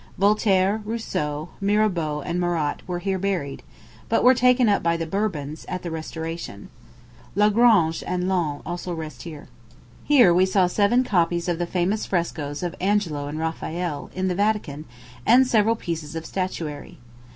Voltaire, Rousseau, Mirabeau, and Marat were here buried, but were taken up by the Bourbons, at the restoration. La Grange and Lannes also rest here. Here we saw seven copies of the famous frescoes of Angelo and Raphael, in the Vatican, and several pieces of statuary.